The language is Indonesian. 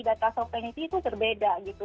data sovereignty itu terbeda gitu